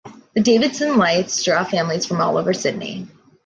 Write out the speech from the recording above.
The "Davidson Lights" draw families from all over Sydney.